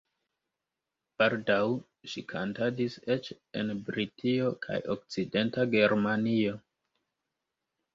Baldaŭ ŝi kantadis eĉ en Britio kaj Okcidenta Germanio.